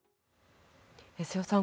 瀬尾さん